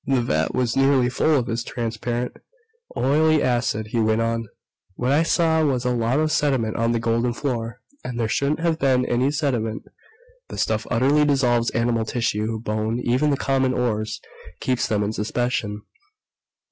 "The vat was nearly full of this transparent, oily acid," he went on. "What I saw was a lot of sediment on the golden floor. And there shouldn't have been any sediment! The stuff utterly dissolves animal tissue, bone, even the common ores keeps them in suspension.